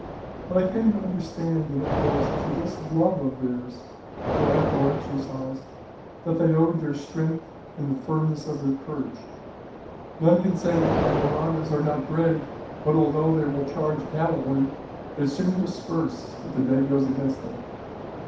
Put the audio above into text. But I came to understand that it was to this love of theirs, for outdoor exercise, that they owed their strength and the firmness of their courage. None can say that the Mahrattas are not brave but, although they will charge gallantly, they soon disperse if the day goes against them.